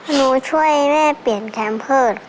หนูช่วยแม่เปลี่ยนแคมเพิร์ต